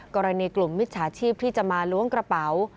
กรณีกลุ่มมิจฉาชีพที่จะมาล้วงกระเป๋า